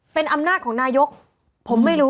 เป็นอำนาจของนายกผมไม่รู้